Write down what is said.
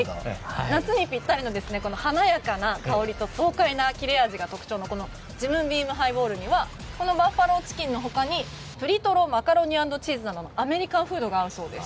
夏にぴったりな華やかな香りと味わいが特徴なジムビームハイボールにはこのバッファローチキンの他にぶりとろマカロニ＆チーズなどのアメリカンフードがあるそうです。